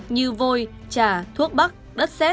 như vôi trà thuốc bắc đất xét